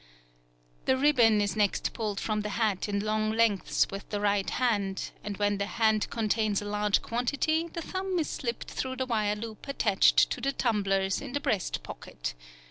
The ribbon is next pulled from the hat in long lengths with the right hand, and when the hand contains a large quantity, the thumb is slipped through the wire loop attached to the tumblers in the breast pocket.